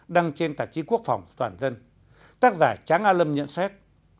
đăng trên tạp chí quốc phòng toàn dân tác giả tráng a lâm nhận xét